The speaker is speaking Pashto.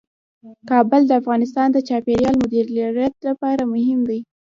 کابل د افغانستان د چاپیریال د مدیریت لپاره مهم دي.